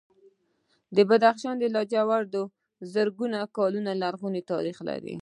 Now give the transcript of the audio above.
د بدخشان لاجورد زرګونه کاله لرغونی تاریخ لري.